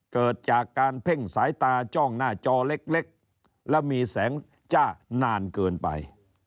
เกิดจากการเพ่งสายตาจ้องหน้าจอเล็กแล้วมีแสงจ้านานเกินไป